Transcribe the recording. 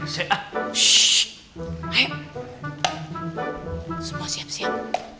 ssshhh ayo semua siap siap